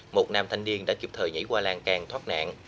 một nam thanh niên đã kịp thời nhảy qua làng càng thoát nạn